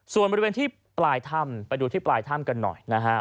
ส่วนบริเวณที่ปลายถ้ำไปดูที่ปลายถ้ำกันหน่อยนะฮะ